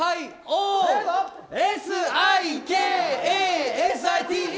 ＳＩＫＡＳＩＴＥ！